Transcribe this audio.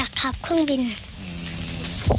กัปตันเครื่องบินทำไม